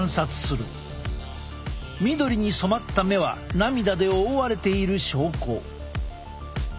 緑に染まった目は涙で覆われている証拠。